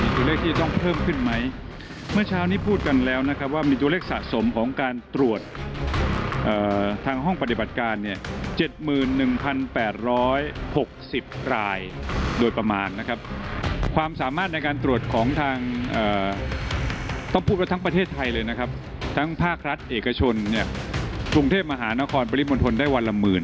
ตัวเลขที่จะต้องเพิ่มขึ้นไหมเมื่อเช้านี้พูดกันแล้วนะครับว่ามีตัวเลขสะสมของการตรวจทางห้องปฏิบัติการเนี่ย๗๑๘๖๐รายโดยประมาณนะครับความสามารถในการตรวจของทางต้องพูดว่าทั้งประเทศไทยเลยนะครับทั้งภาครัฐเอกชนเนี่ยกรุงเทพมหานครปริมณฑลได้วันละหมื่น